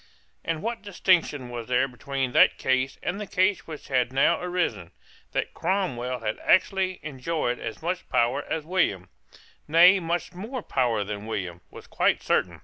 And what distinction was there between that case and the case which had now arisen? That Cromwell had actually enjoyed as much power as William, nay much more power than William, was quite certain.